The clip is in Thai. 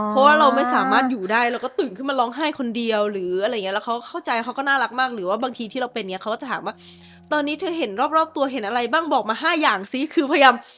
เพราะว่าเราไม่สามารถอยู่ได้เราก็ตื่นขึ้นมาร้องไห้คนเดียวหรืออะไรอย่างเงี้แล้วเขาเข้าใจเขาก็น่ารักมากหรือว่าบางทีที่เราเป็นอย่างนี้เขาก็จะถามว่าตอนนี้เธอเห็นรอบตัวเห็นอะไรบ้างบอกมา๕อย่างซิคือพยายาม